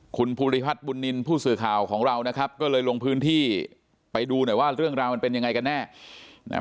คุณภูริพัฒน์บุญนินทร์ผู้สื่อข่าวของเรานะครับก็เลยลงพื้นที่ไปดูหน่อยว่าเรื่องราวมันเป็นยังไงกันแน่